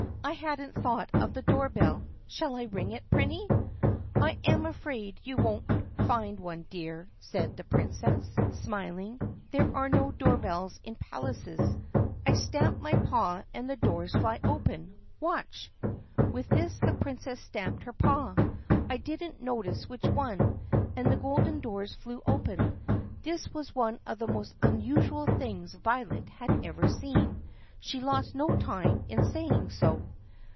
"I had n't thought of the door bell. Shall I ring it, Prinny?" "I am afraid you won't find one, dear," said the Princess THE PUSSYCAT PRINCESS 64 smiling; "there are no door bells in palaces. I stamp my paw and the doors fly open. Watch!" With this the Princess stamped her paw — I did n't notice which one — and the golden doors flew open. This was one of the most unusual things Violet had ever seen. She lost no time in saying so.